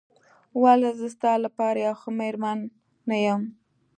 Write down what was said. ولې زه ستا لپاره یوه ښه مېرمن نه یم؟